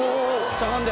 しゃがんで！